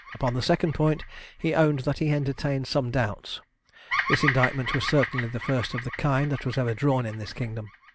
Upon the second point he owned that he entertained some doubts. This indictment was certainly the first of the kind that was ever drawn in this kingdom.